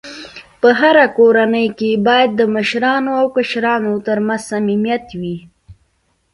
په کورنۍ کي باید د مشرانو او کشرانو ترمنځ صميميت وي.